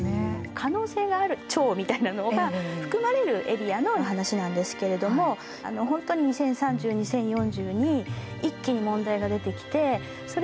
可能性がある町みたいなのが含まれるエリアの話なんですけれども本当に２０３０２０４０に一気に問題が出てきてそれが結局その